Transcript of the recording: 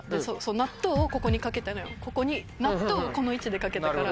納豆をここにかけたのよ納豆をこの位置でかけたから。